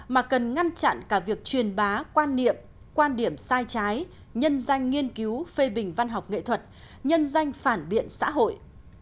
mà cần ngăn chặn cả việc truyền bá quan niệm quan điểm sai trái nhân danh nghiên cứu phê bình văn học nghệ thuật nhân danh phản biện xã hội